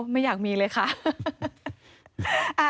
ไม่อยากมีเลยค่ะ